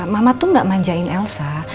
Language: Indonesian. mama tuh gak manjain elsa